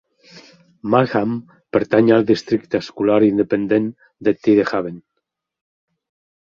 Markham pertany al districte escolar independent de Tidehaven